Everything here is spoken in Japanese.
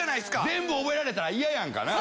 全部覚えられたら嫌やんかなぁ！